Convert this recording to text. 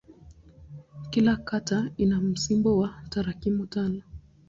Kila kata ina msimbo wa tarakimu tano.